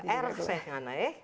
erkseh gak naik